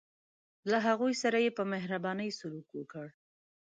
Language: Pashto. له هغوی سره یې په مهربانۍ سلوک وکړ.